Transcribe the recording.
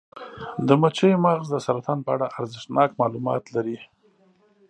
د مچیو مغز د سرطان په اړه ارزښتناک معلومات لري.